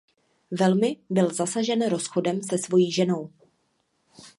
Velmi byl zasažen rozchodem se svojí ženou.